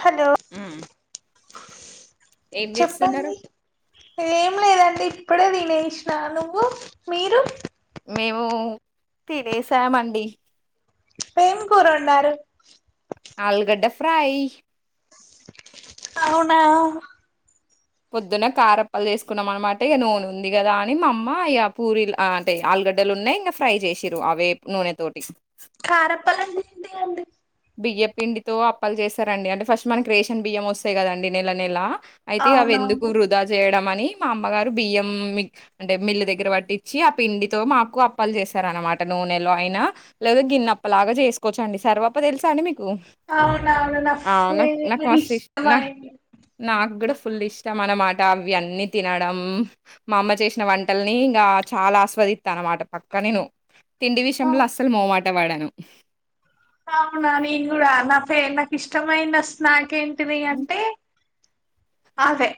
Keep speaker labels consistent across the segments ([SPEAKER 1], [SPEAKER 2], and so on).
[SPEAKER 1] హద్
[SPEAKER 2] హ్మ్ ఏం చేస్తున్నారు
[SPEAKER 1] చెప్పండి ఏం లేదండి ఇప్పుడే తినేష్నా నువ్వు మీరు
[SPEAKER 2] మేము తినేసాంఅండి
[SPEAKER 1] ఎం కూర వండారు
[SPEAKER 2] ఆల్గడ్డ ఫ్రై
[SPEAKER 1] అవునా
[SPEAKER 2] పొద్దున కారప్పలు చేేసుకున్నాం అనమాట ఇగ నూనె ఉంది కదా అని మా అమ్మ పూరిలు అంటే ఆ గడ్డలు ఉన్నాయి ఇంకా ఫ్రై చేసిరు అవె నూనె తోటి
[SPEAKER 1] కారప్పలు అంటే ఏంటి అండి
[SPEAKER 2] బియ్యప్ పిండితో అప్పలు చేస్తారండి అంటే ఫస్ట్ మనకి రేషన్ బియ్యం వస్తాయి కదండి నెల నెల అయితే అవి ఎందుకు
[SPEAKER 1] అవునవును
[SPEAKER 2] వృధా చేయడం అని ని మా అమ్మగారు బియ్యం అంటే మిల్ దగ్గర వట్టిచ్చి ఆ పిండితో మాకు అప్పలు చేశారానమాట నూనెలో అయినా లేదా గిన్నప్ప లాగా చేసుకోవచ్చండి సర్వప్ప తెలుస అండి మీకు
[SPEAKER 1] అవునవును నా
[SPEAKER 2] అవునా నాక్
[SPEAKER 1] నాకు
[SPEAKER 2] మస్త్ ఇష్ న
[SPEAKER 1] ఇష్టమైంది
[SPEAKER 2] నాక్ కూడా ఫుల్ ఇష్టం అనమాట అవి అన్నీ తినడం మా అమ్మ చేసిన వంటల్ని ఇంకా చాలా ఆస్వ దిత అనమాట పక్క నేను తిండి విషయంలో అస్సలు మోమాట వాడాను
[SPEAKER 1] అవునా నేను కూడా నా ఫ్ నాకు ఇష్టమైన స్నాక్ ఏంటిది అంటే అంతే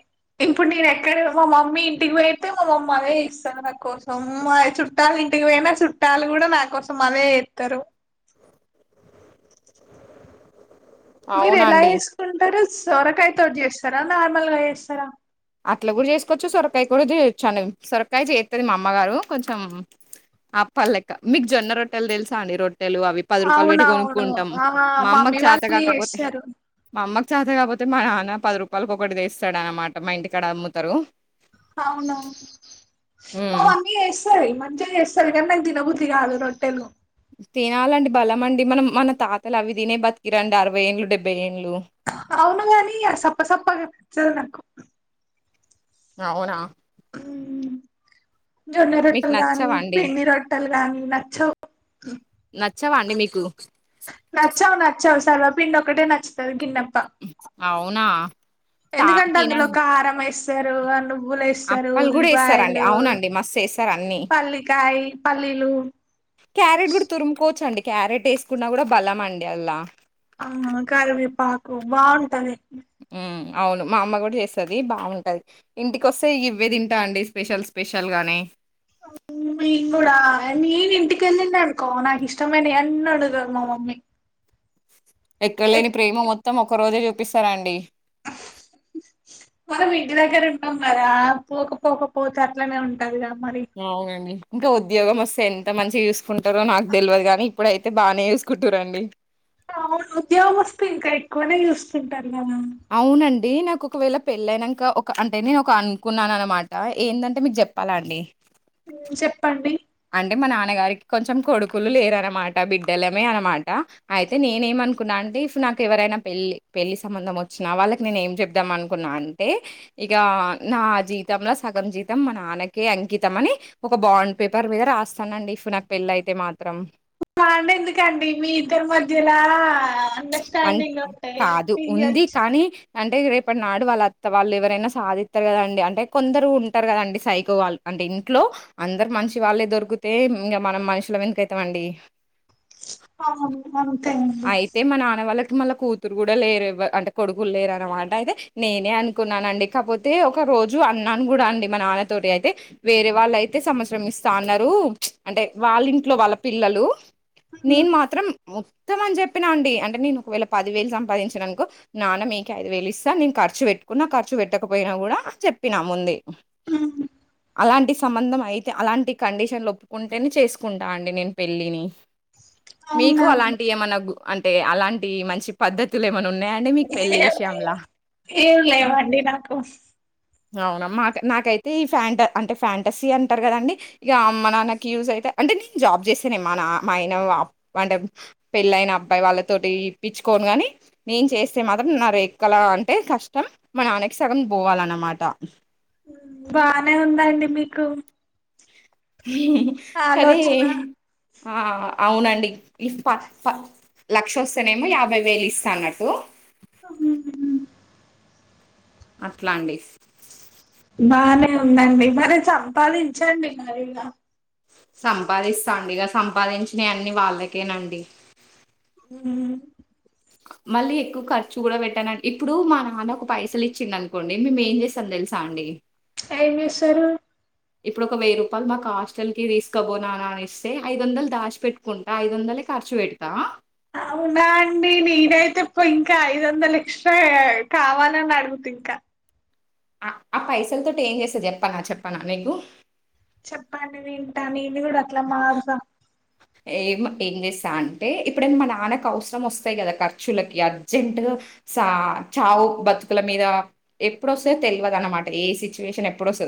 [SPEAKER 1] ఇప్పుడు నేను ఎక్కడ మా మమ్మీ ఇంటికి పోయితే మా మమ్మీ అదే చేస్తది నా కోసం మ చుట్టాల ఇంటికి పోయినా చుట్టాలు కూడా నా కోసం అదే చేతారు మీరు ఎలా
[SPEAKER 2] అవునండి.
[SPEAKER 1] వెసుకుంటారు సొరకాయ తోటి చేస్తారా నార్మల్గా చేస్తారా
[SPEAKER 2] అట్లా కూడా చేసుకోవచ్చు సొరకాయ కూడా చేయొచ్చు అండి సొరకాయ చేస్తది మా అమ్మగారు కొంచెం ఆప్పల్లెక్క మీకు జొన్న రొట్టెలు తెలుసా అండి రొ రొట్టెలు అవి పది రూపాయలు పెట్టి
[SPEAKER 1] అవునవును
[SPEAKER 2] కొనుక్కుంటాం
[SPEAKER 1] ఆ
[SPEAKER 2] మా అమ్మకు
[SPEAKER 1] మమ్మీ
[SPEAKER 2] చాత
[SPEAKER 1] వాళ్ళు
[SPEAKER 2] కాకపోతే
[SPEAKER 1] చేస్తారు
[SPEAKER 2] మా అమ్మ చత కాకపోతే మా నాన్న పది రూపాయలకు ఒకటి తెస్తాడు అనమాట మా ఇంటికాడ అమ్ముతారు
[SPEAKER 1] అవును మ
[SPEAKER 2] హ్మ్.
[SPEAKER 1] మమ్మీ చేస్తది మంచిగా చేస్తది గని నాకు తినబుద్ధి కాదు రోటేలు
[SPEAKER 2] తినాలండి బలం అండి మనం మన తాతలు అవి తినే బతికిరండి అరవై ఏండ్లు డెబ్బై ఏండ్లు
[SPEAKER 1] అవును గాని సప్పసప్పగా నచ్చదు నాకు
[SPEAKER 2] అవునా
[SPEAKER 1] జొన్న
[SPEAKER 2] మీకు
[SPEAKER 1] రొట్టలు గానీ
[SPEAKER 2] నచ్చవండి
[SPEAKER 1] పిండి రొట్టలు గని నచ్చావ్
[SPEAKER 2] నచ్చావా అండి మీకు
[SPEAKER 1] నచ్చావు నచ్చావు సర్వపిండి ఒకటే నచ్చుతాది గిన్నె తా
[SPEAKER 2] అవునా తా
[SPEAKER 1] ఎందుకంటే అందులో
[SPEAKER 2] తినండి
[SPEAKER 1] కారం వేస్తారు అలు నువ్వులు వేస్తారు
[SPEAKER 2] అప్పలు కూడా వేస్తారండి
[SPEAKER 1] ఉల్లిపాయలు
[SPEAKER 2] అవునండి మస్తు వేస్తారు అన్ని
[SPEAKER 1] పల్లికై పల్లీలు
[SPEAKER 2] క్యారెట్ కూడా తురుముకోవచ్చు అండి క్యారెట్ వేసుకున్నా కూడా బలం అండి అన్లా
[SPEAKER 1] ఆ కరివేపాకు బాగుంటది
[SPEAKER 2] హ్మ్ అవును మా అమ్మ కూడా చేస్తది బాగుంటది ఇంటికొస్తే ఇవ్వే తింటా అండి స్పెషల్స్ స్పెషల్ గానే
[SPEAKER 1] నేను కూడా నేను ఇంటికి వెళ్ళినా అనుకో నాకు ఇష్టమైనవనన్నోడుతది మా మమ్మీ
[SPEAKER 2] ఎక్కడ
[SPEAKER 1] ఏ
[SPEAKER 2] లేని ప్రేమ మొత్తం ఒక్క రోజే చూపిస్తారండి
[SPEAKER 1] మనం ఇంటి దగ్గర ఉంటాం కదా పోకపోకపోతే అట్లనే ఉంటదిగా మరి
[SPEAKER 2] అవునండి ఇంకా ఉద్యోగం వస్తే ఎంత మంచిగా చూసుకుంటారో నాకు తెలియదు గాని ఇప్పుడైతే బానే చూసుకుంటురండి
[SPEAKER 1] అవును ఉద్యోగమొస్తే ఇంకా ఎక్కువనే చూస్తుంటారు కదా ఉమ్,
[SPEAKER 2] అవునండి నాకొకవేళ పెళ్ళైనంక ఒక అంటే నేను ఒక అనుకున్నానన్నమాట ఏందంటే మీక్ చే ప్పాలండి
[SPEAKER 1] మ్ చెప్పండి
[SPEAKER 2] అంటే మా నాన్నగారికి కొంచెం కొడుకులు లేరన్నమాట బిడ్డలమే అన్నమాట అయితే నేనేమన్ నుకున్నానాంటే ఇఫ్ నాకెవరైనా పెళ్ళి పెళ్లి సంబంధం వచ్చినా వాళ్ళకి నేనేం చెప్తాం ఆనుకున్నా అంటే ఇగ నా జీతంలా సగం జీతం మా నాన్నకే అంకితం అని ఒక బాండ్ పేపర్ మీద రాస్తానండి ఇఫ్ నాకు పెళ్లైతే మాత్రం
[SPEAKER 1] బాండ్ ఎందుకండి మీ ఇద్దరి మధ్యలా
[SPEAKER 2] అంటే
[SPEAKER 1] అండర్స్టాడింగ్ ఉంటే
[SPEAKER 2] కాదు ఉంది.
[SPEAKER 1] ఇయ్యోచ్చు
[SPEAKER 2] కానీ అంటే రేపటి నాడు వాళ్ళత్త వాళ్ళేవరైనా సాధిత్తరు కదండి అంటే కొందరు ఉంటారు కదండి సైకోవాళ్ళు అంటే ఇంట్లో అందరు మంచి వాళ్ళే దొరికితే ఇంగ మనం మనుషులమేందుకైతామండి
[SPEAKER 1] అవును అంతే అండి
[SPEAKER 2] అయితే మా నాన్న వాళ్ళక్ మళ్ళ కూతురు కూడా లేర్ ఎవరు అంటే కొడుకులు లేరన్నమాట అయితే నేనే అనుకున్నానండి కాకపోతే ఒక రోజు అన్నాను కూడా అండి మా నాన్న తోటి అయితే వేరే వాళ్ళైతే సంవత్సరం ఇస్తా అన్నారు అంటే వాళ్ళింట్లో వాళ్ళ పిల్లలు నేను
[SPEAKER 1] ఉమ్,
[SPEAKER 2] మాత్రం మొ త్తమని చెప్పినా అండి అంటే నేను ఒకవేళ పది వేలు సంపాదించిననుకో నాన్న మీకే ఐదువేలు ఇస్తా నేను ఖర్చు పెట్ న్నా ఖర్చు పెట్టకపోయినా కూడా చెప్పినా ముందే
[SPEAKER 1] ఉమ్,
[SPEAKER 2] అలాంటి సంబంధం అయి అలాంటి కండిషన్లు ఒప్పుకుంటేనే చేసుకుంటా అండి నేను పెళ్ళిని
[SPEAKER 1] అవునా
[SPEAKER 2] మనకు అంటే అలాంటి మంచి పద్ధతులేప్ ఏమనున్నాయండి మీకు పెళ్ళి
[SPEAKER 1] ఏం
[SPEAKER 2] విషయంలా
[SPEAKER 1] లేవు- ఏం లేవండి నాకు
[SPEAKER 2] ఆ అవునా మాక్ నాకైతే ఈ ఫ్యాంట అంటే ఫ్యాంటసీ అంటారు కదండి ఇగ అమ్మ నాన్నకి యూసైతే అంటే నేను జాబ్ చేస్తెనే మా నా మా ఆయన అప్ అంటే పెళ్ళయిన అబ్బాయి వాళ్ళతోటి ఇప్పించుకోను గాని నేను చేస్తే మాత్రం నా రేక్కలా అంటే కష్టం మా నాన్నకి సగం పోవాలన్నమాట
[SPEAKER 1] బానే ఉందండీ మీకు
[SPEAKER 2] మ్ కానీ
[SPEAKER 1] ఆలోచన
[SPEAKER 2] ఆ అవునండి ఇఫ్ ప ప లక్ష వస్తేనేమో యాభై వేలు ఇస్తా అన్నట్టు
[SPEAKER 1] మ్ మ్
[SPEAKER 2] అట్లాండీ
[SPEAKER 1] నే ఉందండి మరి సంపాదించండి మరిగ
[SPEAKER 2] సంపాదిస్తాండి ఇగ సంపాదించినవన్ని వాళ్ళకేనండి
[SPEAKER 1] మ్
[SPEAKER 2] మళ్ళీ ఎక్కువ ఖర్చు కూడా పెట్టానన్ ఇప్పుడు మా నాన్నకు పైసలు ఇచ్చిందనుకోండి మేము ఏం చేస్తాం తెల్ సాండి
[SPEAKER 1] ఎమ్ చేస్తరు
[SPEAKER 2] ఇప్పుడోక వెయ్యి రూపాయలు మాక్ హస్టల్ కి తీసుకబోనానా అనిస్తే ఐదు వందలు దాసి పెట్టుకుంటా ఐదు వందలే ఖర్చు పెడుతా
[SPEAKER 1] అవునా అండి నేనైతే పోయింకా ఐదు వందలె ఎక్సట్రా కావాలని అడుగుత ఇంకా
[SPEAKER 2] ఆ ఆ పైసలతోటి ఏం చేస్త చెప్పనా చెప్పనా నీకు
[SPEAKER 1] చెప్పండి వింటా నిను కూడా అట్లా మారుత
[SPEAKER 2] ఏమ్ ఏం చేస్తా అంటే ఎప్పుడైనా మా నాన్నకు అవసరమొస్తాయ్ కదా ఖర్చులకి అర్జెంట్ గా సా చావు బతుకుల మీద ఎప్పుడొస్తయో తెలువదన్నమాట ఏ సిచ్యువేషన్ ఎప్పుడొస్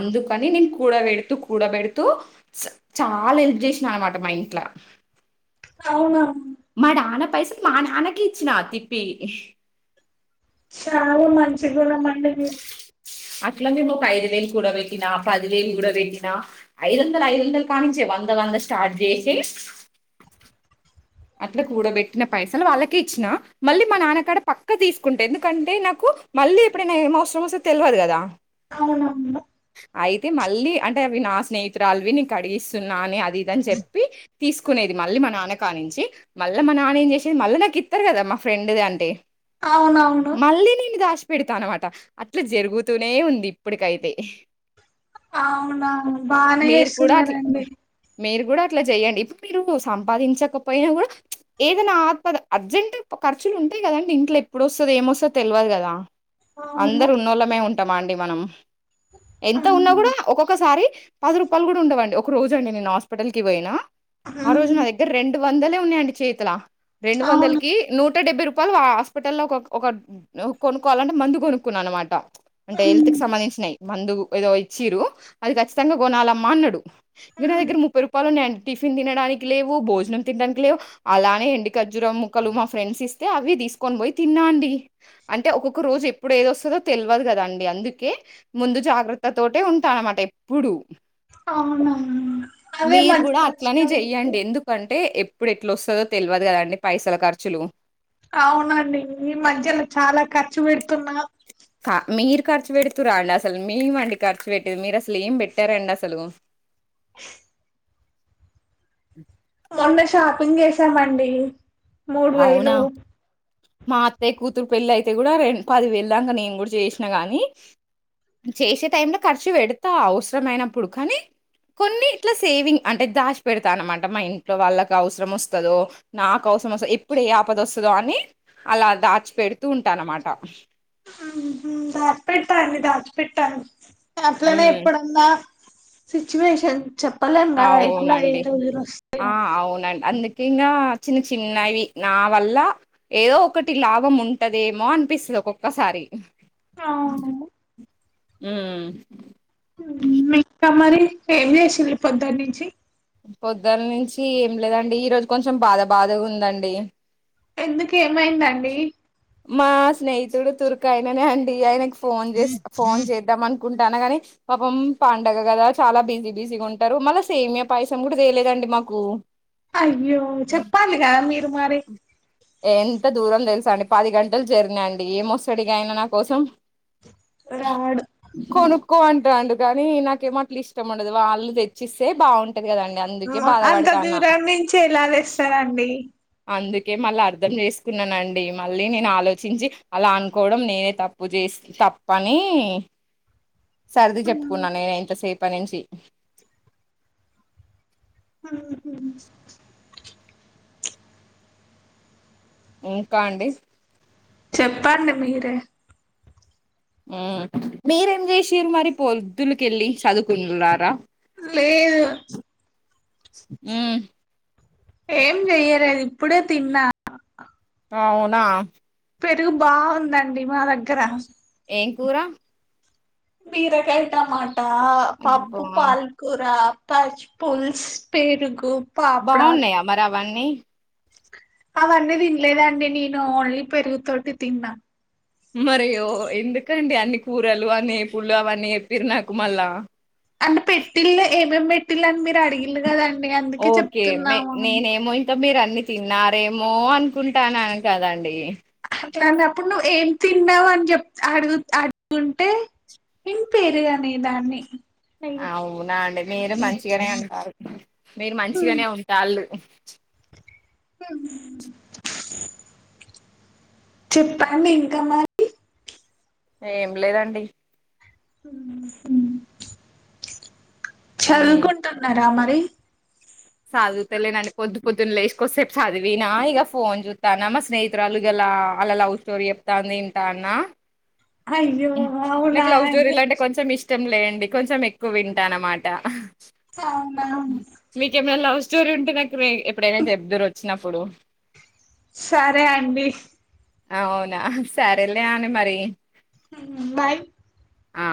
[SPEAKER 2] అందుకని నేను కూడ పెడుతూ కూడ పెడుతూ చాలా హెల్ప్ చేసిననమాట మా ట్లా
[SPEAKER 1] అవునా
[SPEAKER 2] మా నాన్న పైసలు మా నాన్నకి ఇచ్చినా తిప్పి
[SPEAKER 1] చాలా మంచి గుణమండి మీరు
[SPEAKER 2] అట్లనే ఒక ఐదు వేలు కూడపెట్టినా పదివేలు కూడా పెట్టినా ఐదు వందలు ఐదు వందలు కాన్నించి వంద వంద స్టార్ట్ చేసి అట్లా కూడబెట్టిన పైసలు వాళ్ళకే ఇచ్చినా. మళ్ళ మా నాన్నకాడ పక్క తీసుకుంట. ఎందుకంటే నాకు మళ్ళీ ఎప్పుడైనా ఏమి అవసరం వస్తదో తెలియదు కదా.
[SPEAKER 1] అవునవును
[SPEAKER 2] అయితే మళ్ళీ అంటే అవి నా స్నేహితురాలువి నేను కడిగిస్తున్నా అని అది ఇదని చెప్పి తీసుకున్ నేది మళ్ళీ మా నాన్నకాన్నించి మల్ల మా నాన్న ఏం చేసేది మళ్ళీ నాకిత్తరు కదా మా ఫ్రెండ్ ది అంటే
[SPEAKER 1] అవునవును
[SPEAKER 2] మళ్ళి నిన్ని దాష్ పెడతా అన్నమాట అట్లా జరుగుతూనే ఉంది ఇప్పటికైతే
[SPEAKER 1] అవునా బానే
[SPEAKER 2] మీరు కూడా అట్లా
[SPEAKER 1] చేస్తున్నారండి
[SPEAKER 2] మీరు కూడా అట్లా చెయ్యండి ఇప్పుడు మీరు సంపాదించక పొయినా కూడా ఏదన్నా ఆపద అర్జెంట్ గా ఖర్చులుంటాయి కదండి. ఇంట్ల ఎప్పుడు ఒస్తది ఏమొస్తదొ తెలువ కదా
[SPEAKER 1] అవును
[SPEAKER 2] అందరున్నోళ్ళమే ఉంటామా అండి మనం ఎంత ఉన్నా కూడా ఒక్కొక్కసారి పది రూపాలు కూడా ఉండవండి. ఒక రోజు అండి నేను హాస్పిటల్ కి పోయినా ఆ రోజు నా దగ్గర రెండు వందలే ఉన్నాయండి చేతుల రెండు వందల
[SPEAKER 1] అవును
[SPEAKER 2] కి నూటడెబ్భై రు పల్ ఆ హాస్పిటల్లో ఒక ఒక కొనుక్కోవాలంటే మందు కొనుక్కున్నా అన్నమాట అంటే హెల్త్
[SPEAKER 1] అవును.
[SPEAKER 2] కి సంబంధించినవి. మందు ఏదో ఇచ్చీరు అది ఖచ్చితంగా కొనాలమ్మా అన్నడు. ఇగ నా దగ్గర ముప్పై రూపాలు ఉన్నయండి. టిఫిన్ తినడానికి లేవు. భోజనం తిండానికి లేవు. అలానే ఎండికజ్జుర ముక్కలు మా ఫ్రెండ్స్ ఇస్తే, అవి తీసుకొని పోయి తిన్నా అండి. అంటే ఒక్కొక్క రోజు ఎప్పుడు ఏదొస్తదో తెల్వదు కదా అండి. అందుకే ముందు జాగ్రత్తతోటే ఉంటా అన్నమాట ఎ ఎప్పుడు
[SPEAKER 1] అవునా అవే
[SPEAKER 2] మీరు
[SPEAKER 1] మంచి
[SPEAKER 2] కూడా అట్లనే
[SPEAKER 1] లక్షణం
[SPEAKER 2] చెయ్యండి ఎందుకం టే ఎప్పుడు ఎట్ల వస్తదో తెలువదు కదా అండి పైసల ఖర్చులు
[SPEAKER 1] అవునండి ఈ మధ్యలో చాలా ఖర్చు పెడుతున్నా
[SPEAKER 2] ఆ మీరు ఖర్చు పెడుతుర్రాండి. అసలు మేమండి ఖర్చు పెట్టేది మీరసలు ఏం పెట్టరండి అసలు.
[SPEAKER 1] మొన్న షాపింగ్ చేసామండి మూడు
[SPEAKER 2] అవునా?
[SPEAKER 1] వేయిలు
[SPEAKER 2] మా అత్తయ్య కూతురు పెళ్లి అయితే కూడా రెండు పది వెేళ్దాంక నేను కూడా చేసినా గాని చేసే టైంలో ఖర్చు పెడతా అవసరమైనప్పుడు కానీ కొన్ని ఇట్ల సేవింగ్ అంటే దాచి పెడతా అన్నమాట. మా ఇంట్లో వాళ్ళకి అవసరం వస్తదో నాకు అవసరం వస్తు ఎప్పుడు ఏ ఆపదొస్తదో అని అలా దాచి పెడుతూ ఉంటా అన్నమాట.
[SPEAKER 1] దాచి పెడ్తా అండి దాచి పెట్ట అట్లనే
[SPEAKER 2] హ్మ్.
[SPEAKER 1] ఇప్పుడు అంతా సిచ్యువేషన్ చెప్పలేం కదా ఎట్ల ఏ
[SPEAKER 2] అవునండి.
[SPEAKER 1] రోజులు
[SPEAKER 2] ఆ
[SPEAKER 1] వస్తయో
[SPEAKER 2] అవునండి అందుకే ఇంగా చిన్న చిన్నవి నావల్ల ఏదో ఒకటి లాభం ఉంటదేమో అనిపిస్ ఒక్కొక్కసారి
[SPEAKER 1] అవును
[SPEAKER 2] ఊమ్
[SPEAKER 1] మ్ ఇంక మరి ఏం చేసిళ్ళు పొద్దటినుంచి
[SPEAKER 2] పొద్దుటి నుంచి ఏం లేదండి ఈ రోజు కొంచెం బాధ బాధగా ఉందండి
[SPEAKER 1] ఎందుకు ఏమైందండి
[SPEAKER 2] మా స్నేహితుడు తుర్కాయననే అండి ఆయనకు ఫోన్ జెస్తా ఫోన్ జేద్దాంమన్ కుంటాన్న గని పాపం పండగ గదా చాలా బిజీ బిజీగా ఉంటరు. మళ్ళ సేమ్యా పాయసం గూడా చెయలేదం డి మాకు
[SPEAKER 1] అయ్యో చెప్పాలిగా మీరు మరి
[SPEAKER 2] ఎంత దూరం తెల్సా అండి పది గంటలు జర్నీండి ఏమొస్తాడిగా అయినా నా కోసం
[SPEAKER 1] రాడు
[SPEAKER 2] క్కు అంటాండు గనీ నాకేమొ అట్లా ఇష్టం ఉండదు వాళ్ళు తెచ్చిస్తే బాగుం టది గదండి అందుకే
[SPEAKER 1] అంత
[SPEAKER 2] బాదపడుతానా
[SPEAKER 1] దూరం నుంచి ఎలా తెస్తారండి
[SPEAKER 2] అందుకే మళ్ళ అర్థం చేస్కున్నానండి మళ్ళీ నేనే ఆలోచించి అలా అనుకోవడం నేనే తప్పు చెస్ తప్పని సర్ది చెప్పుకున్నా నేను ఇంతసేప నుంచి
[SPEAKER 1] మ్ హు
[SPEAKER 2] ఇంకా అండి
[SPEAKER 1] చెప్పండి మీరే
[SPEAKER 2] మ్ మీరేం జేశిర్రు మరి పొద్దులకెళ్ళి చదుకున్నరా
[SPEAKER 1] లేదు
[SPEAKER 2] మ్
[SPEAKER 1] ఏం చేయ్యలేద్ ఇప్పుడే తిన్నా
[SPEAKER 2] అవునా
[SPEAKER 1] పెరుగు బాగుందండి మా దగ్గర
[SPEAKER 2] ఏం కూర
[SPEAKER 1] బీరకాయ్ టమాటా పప్పు
[SPEAKER 2] అబ్బా
[SPEAKER 1] పాల్ కూర పచ్చ్ పుల్స్ పెరుగు పాపడాలు
[SPEAKER 2] బాగున్నాయా మరవన్నీ
[SPEAKER 1] అవన్నీ తినలేదండి నేను ఓన్లీ పెరుగుతోటి తిన్నా
[SPEAKER 2] మరి ఒ ఎందుకండి అన్ని కూరలు అన్ని ఎపుల్లు అవన్నీ చేప్పిర్ నాకు మళ్ళా
[SPEAKER 1] అంటే పెట్టిళ్లే ఏమేం పెట్టిల్న మీరు అడిగిళ్లు గదం
[SPEAKER 2] ఓకే మీ నేనేమొ ఇంకా మీరన్ న్ని తిన్నారేమొ అనుకుంటాన కదండి
[SPEAKER 1] ఇట్లాంటప్పుడు నువ్ ఏం తిన్నావ్ అన్ జేప్ అడుగ్ అడుగుంటే నేన్ పేరుగానే దాన్ని
[SPEAKER 2] అవునా అండి మీరు మంచిగానే ఉంటారు మీరు మంచిగానే ఉంటాళ్ళు
[SPEAKER 1] మ్ చెప్పండి ఇంకా మరి
[SPEAKER 2] ఏం లేదండి
[SPEAKER 1] మ్
[SPEAKER 2] ఉమ్
[SPEAKER 1] చదువుకుంటున్నారా మరి
[SPEAKER 2] పొద్దున్ లేస్ కొసేప్ చదివినా ఇగ ఫోన్ జుత్తనా మా స్నేహితురాలు ఇగ లా అల్ల లవ్ స్టోరి జేప్తాంది ఇంటన
[SPEAKER 1] అయ్యో అవునా
[SPEAKER 2] నాకు లవ్ స్టోరీలంటే కొంచం ఇష్టంలే అండి కొంచం ఎక్కువింటాన్నమాట
[SPEAKER 1] అవునా
[SPEAKER 2] మీకెమన్న లవ్ స్ స్టోరీ ఉంటే నాక్ రె ఎప్పుడైనా చెబ్దురోచ్చినప్పుడు
[SPEAKER 1] సరే అండి
[SPEAKER 2] అవునా సరేలే అండి మరి
[SPEAKER 1] మ్ బాయ్
[SPEAKER 2] ఆ